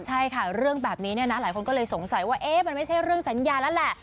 ใช่ค่ะเรื่องแบบนี้เนี่ยนะหลายคนก็เลยสงสัยว่ามันไม่ใช่เรื่องสัญญาแล้วแหละ